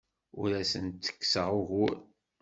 Ur asen-ttekkseɣ ugur.